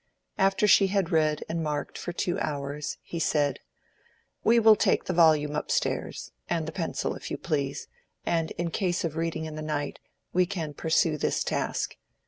After she had read and marked for two hours, he said, "We will take the volume up stairs—and the pencil, if you please—and in case of reading in the night, we can pursue this task.